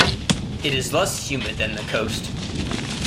It is less humid than the coast.